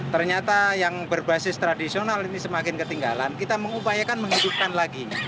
ternyata yang berbasis tradisional ini semakin ketinggalan kita mengupayakan menghidupkan lagi